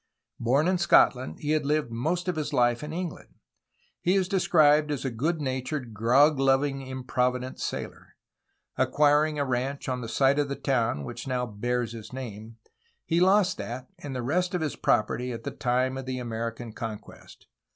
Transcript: Born in Scotland he had lived most of his life in England. He is described as a good natured, grog loving, improvident sailor. Acquiring a ranch on the site of the town which now bears his name, he lost that and the rest of his property at the time of the American conquest.